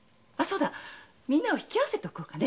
みんなを引き合わせておこうかね。